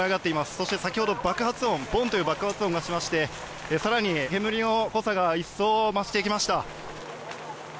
そして先ほどボンという爆発音がしまして更に、煙の濃さが一層増してきました。